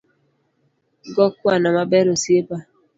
Go kwano maber osiepa